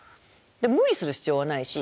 無理する必要はないし。